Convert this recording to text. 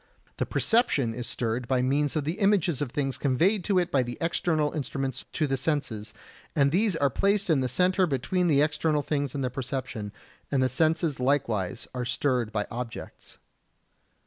The perception is stirred by means of the images of things conveyed to it by the external instruments to the senses, and these are placed in the centre between the external things and the perception, and the senses likewise are stirred by objects.